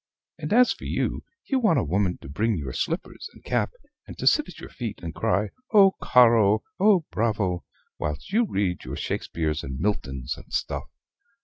And as for you, you want a woman to bring your slippers and cap, and to sit at your feet, and cry, 'O caro! O bravo!' whilst you read your Shakespeares and Miltons and stuff.